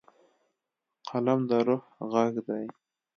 قلم د روح غږ دی.